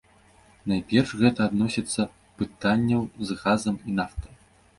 Найперш гэта адносіцца пытанняў з газам і нафтай.